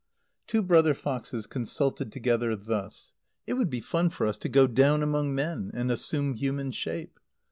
_ Two brother foxes consulted together thus: "It would be fun for us to go down among men, and assume human shape."